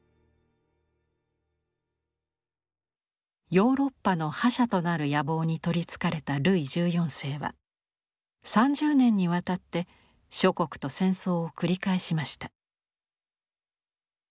ヨーロッパの覇者となる野望に取りつかれたルイ１４世は３０年にわたって諸国と戦争を繰り返しました。